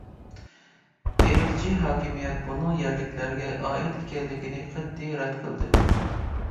ئىرقچى ھاكىمىيەت بۇنىڭ يەرلىكلەرگە ئائىت ئىكەنلىكىنى قەتئىي رەت قىلدى.